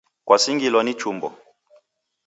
Kwasingilwa ni chumbo